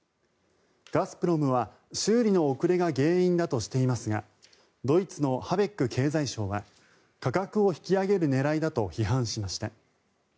ガスプロムは修理の遅れが原因だとしていますがドイツのハベック経済相は価格を引き上げる狙いだと批判しました。